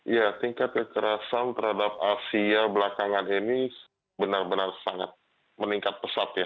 ya tingkat kekerasan terhadap asia belakangan ini benar benar sangat meningkat pesat ya